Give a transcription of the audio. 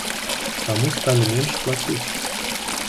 Чаму сталі менш плаціць?